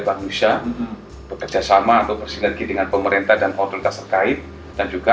manusia bekerjasama atau bersinergi dengan pemerintah dan otoritas terkait dan juga